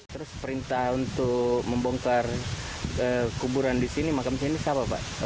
terus perintah untuk membongkar kuburan di sini makam sini siapa pak